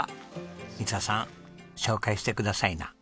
美砂さん紹介してくださいな。